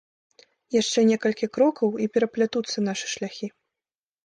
Яшчэ некалькі крокаў, і пераплятуцца нашы шляхі.